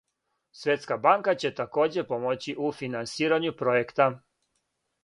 Светска банка ће такође помоћи у финансирању пројекта.